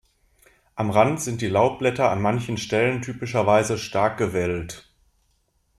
Am Rand sind die Laubblätter an manchen Stellen typischerweise stark gewellt.